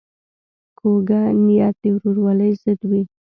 کوږه نیت د ورورولۍ ضد وي